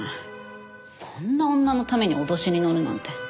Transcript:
そんな女のために脅しに乗るなんて。